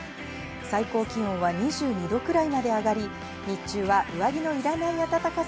最高気温は２２度くらいまで上がり、日中は上着のいらない暖かさ